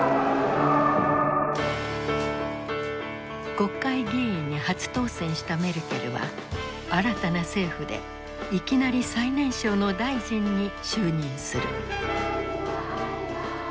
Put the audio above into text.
国会議員に初当選したメルケルは新たな政府でいきなり最年少の大臣に就任する。